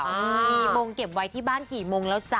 มีมงเก็บไว้ที่บ้านกี่โมงแล้วจ๊